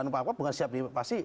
pak jokowi bukan siap diinvasi